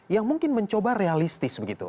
yang mungkin mencoba realistis